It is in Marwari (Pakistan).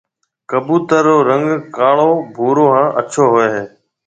ڪٻُوتر رو رنگ ڪاݪو، ڀورو هانَ اڇو هوئي هيَ۔